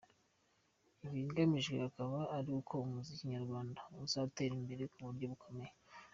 Ikigamijwe akaba ari uko umuziki nyarwanda uzatera imbere kuburyo bukomeye.